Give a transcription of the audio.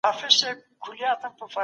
حمزه بابا د غزل پلار دی.